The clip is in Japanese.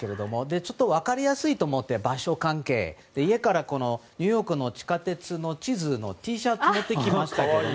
ちょっと分かりやすいと思って家からニューヨークの地下鉄の地図のＴシャツ持ってきました。